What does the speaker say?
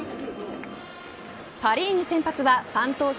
パ・リーグ先発はファン投票